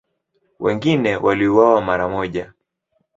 Wengine waliuawa mara moja.